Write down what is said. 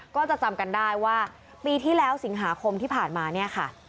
ก็จะจำกันได้ว่าปีที่แล้วสิงหาคมที่ผ่านมาเนี่ยค่ะ